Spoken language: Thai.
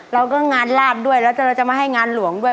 เราก็งานลาบด้วยแล้วเราจะมาให้งานหลวงด้วย